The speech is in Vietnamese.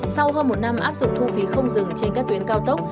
sau hơn một năm áp dụng thu phí không dừng trên các tuyến cao tốc